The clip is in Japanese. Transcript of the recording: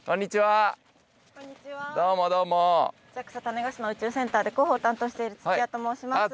種子島宇宙センターで広報を担当している土屋と申します。